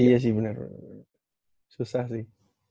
iya sih benar susah sih